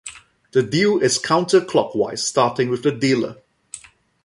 The deal is counter-clockwise, starting with the dealer.